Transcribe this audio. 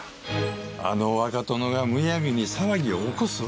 あの若殿がむやみに騒ぎを起こすわけがありません。